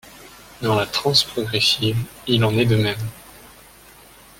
Dans la Trance progressive il en est de même.